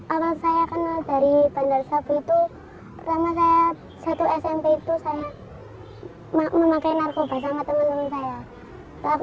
awal saya kenal dari bandar sapi itu lama saya satu smp itu saya memakai narkoba sama teman teman saya